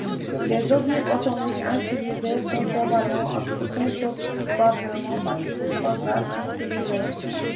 Les ogives atomiques inutilisés font probablement partie du stock d'armes inutilisées.